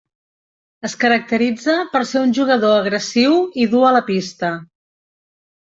Es caracteritza per ser un jugador agressiu i dur a la pista.